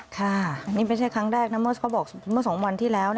ค่ะนี่ไม่ใช่ครั้งแรกนะเมื่อสองวันที่แล้ว